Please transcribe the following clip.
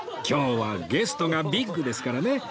今日はゲストがビッグですからね